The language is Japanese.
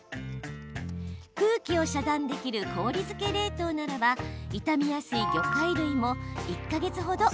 空気を遮断できる氷漬け冷凍ならば傷みやすい魚介類も１か月ほどおいしさが保てます。